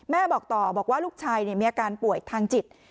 บอกต่อบอกว่าลูกชายมีอาการป่วยทางจิต